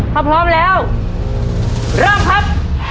ถ้าพร้อมแล้วเริ่มครับ